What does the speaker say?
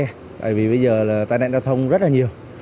tại vì bây giờ là tai nạn đào thông rất là nhiều